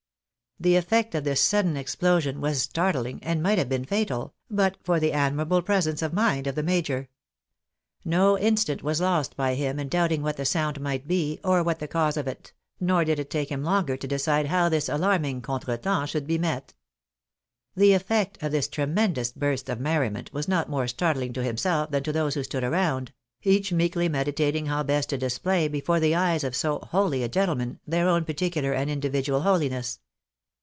The effect of this sudden explosion was startling, and might have been fatal, but for the admirable presence of mind of the major. No instant was lost by him in doubting what the sound might be, or what the cause of it, nor did it take him longer to decide how this alarming contretemps should be met. The efifect of this tremendous burst of merriment was not more startling to himself than to those who stood around, each meekly meditating how best to display before the eyes of so holy a gentle man their own particular and individual holiness.